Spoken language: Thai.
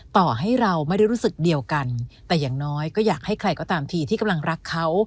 ต่อให้เราไม่ได้รู้สึกเดียวกันแต่อย่างน้อยก็อยากให้ใครก็ตามทีที่กำลังรักเขา